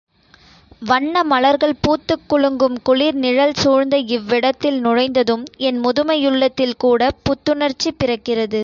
வண்ண மலர்கள் பூத்துக் குலுங்கும் குளிர் நிழல் சூழ்ந்த இவ்விடத்தில் நுழைந்ததும், என் முதுமையுள்ளத்தில் கூடப் புத்துணர்ச்சி பிறக்கிறது.